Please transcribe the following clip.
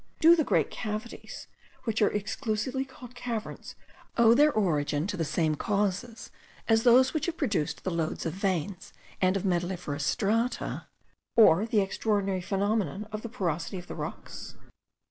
Do the great cavities, which are exclusively called caverns, owe their origin to the same causes as those which have produced the lodes of veins and of metalliferous strata, or the extraordinary phenomenon of the porosity of rocks?